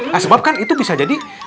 nah sebab kan itu bisa jadi